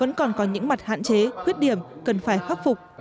vẫn còn có những mặt hạn chế khuyết điểm cần phải khắc phục